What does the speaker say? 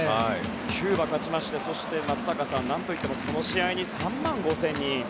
キューバが勝ちましてそして松坂さん何といってもその試合に３万５０００人が。